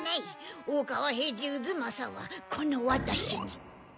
大川平次渦正はこのワタシに。